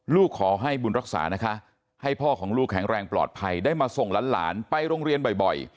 ขอให้บุญรักษานะคะให้พ่อของลูกแข็งแรงปลอดภัยได้มาส่งหลานไปโรงเรียนบ่อย